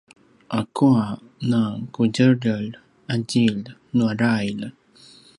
akua naqudjeljer a djilj nua drail?